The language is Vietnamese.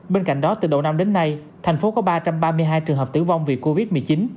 bên cạnh đó từ đầu năm đến nay thành phố có ba trăm ba mươi hai trường hợp tử vong vì covid một mươi chín